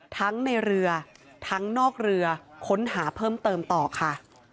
ทั้งในเรือทั้งนอกเรือค้นหาเพิ่มเติมต่อค่ะ